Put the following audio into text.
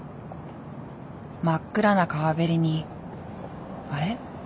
真っ暗な川べりにあれ？